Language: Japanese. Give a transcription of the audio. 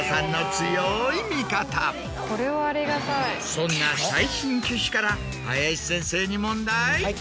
そんな最新機種から林先生に。